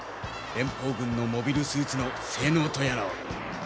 連邦軍のモビルスーツの性能とやらを。